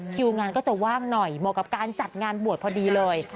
คิวงานก็จะว่างหน่อยเหมาะกับการจัดงานบวชพอดีเลย